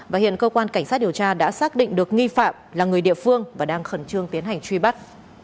và hiện cơ quan cảnh sát điều tra đã xác định được nghi phạm là người địa phương và đang khẩn trương tiến hành truy bắt